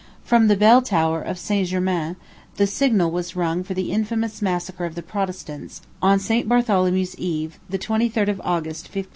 From the bell tower of St. Germain the signal was rung for the infamous massacre of the Protestants, on St. Bartholomew's eve, 23d of August, 1572.